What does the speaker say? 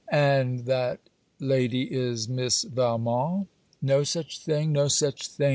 'And that lady is Miss Valmont.' 'No such thing! no such thing!'